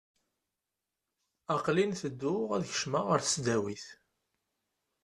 Aqel-in ttedduɣ ad kecmeɣ ɣer tesdawit.